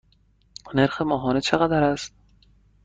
نرخ ماهانه چقدر است؟